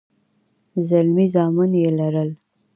زلمي زامن يې لرل.